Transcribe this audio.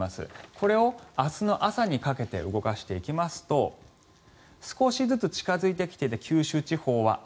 これを明日の朝にかけて動かしていきますと少しずつ近付いてきていて九州地方は雨。